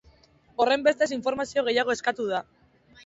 Horrenbestez, informazio gehiago eskatu du.